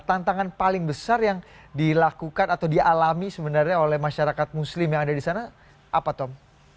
tantangan paling besar yang dilakukan atau dialami sebenarnya oleh masyarakat muslim yang ada di sana apa tom